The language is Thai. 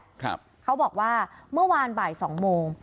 เขาบอกว่าเมื่อวานบ่ายสองโมง